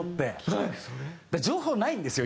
情報ないんですよ